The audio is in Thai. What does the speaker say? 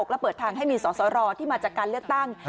และเปิดทางให้มีสสรที่มาจากการเลือกตั้ง